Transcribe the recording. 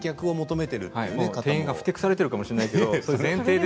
店員がふてくされてるかもしれないけれども。